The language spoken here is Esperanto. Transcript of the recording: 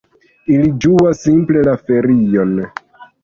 Ili ĝuas simple la ferion.